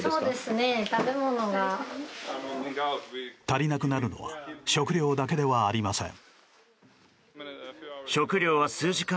足りなくなるのは食料だけではありません。